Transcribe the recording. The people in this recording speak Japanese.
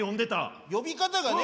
呼び方がね